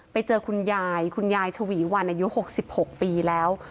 ไปเจอคุณยายคุณยายฉวีวันอายุ๖๖ปีแล้ว